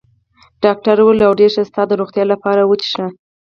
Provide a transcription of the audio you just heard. ډاکټر وویل: اوه، ډېر ښه، ستا د روغتیا لپاره، و څښئ.